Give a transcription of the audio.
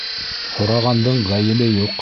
Һорағандың ғәйебе юҡ.